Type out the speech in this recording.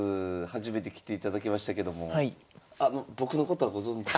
初めて来ていただきましたけどもあの僕のことはご存じ？